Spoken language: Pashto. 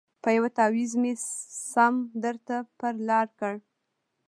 په یوه تعویذ مي سم درته پر لار کړ